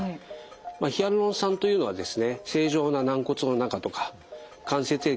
ヒアルロン酸というのはですね